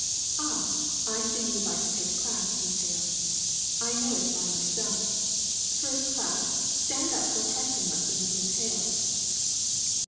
"Ah! I see you would like to take a class, Miss Hale. I know it by myself. First class stand up for a parsing lesson with Miss Hale."